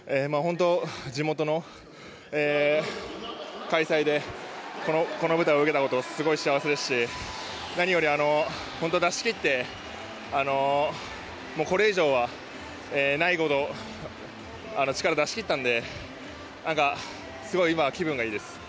地元の開催でこの舞台を泳げたことがすごい幸せですし何より、出し切ってもうこれ以上はないほど力を出し切ったのですごい今は気分がいいです。